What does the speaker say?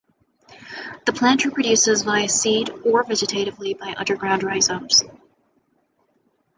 The plant reproduces via seed or vegetatively by underground rhizomes.